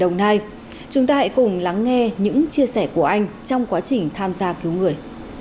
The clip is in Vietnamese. trong ngày hôm nay chúng ta hãy cùng lắng nghe những chia sẻ của anh trong quá trình tham gia cứu người